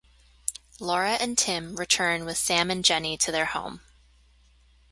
Laura and Tim return with Sam and Jenny to their home.